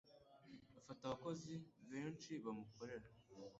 Afite abakozi benshi bamukorera.